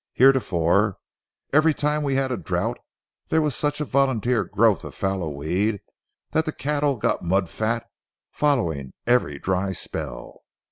Heretofore, every time we had a drouth there was such a volunteer growth of fallow weed that the cattle got mud fat following every dry spell.